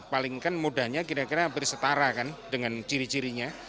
paling kan mudanya kira kira bersetara kan dengan ciri cirinya